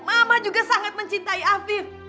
mama juga sangat mencintai afif